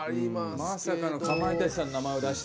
まさかのかまいたちさんの名前を出して。